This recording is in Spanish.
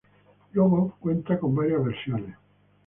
Logo cuenta con varias versiones.